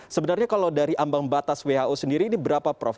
sebenarnya kalau dari ambang batas who sendiri ini berapa prof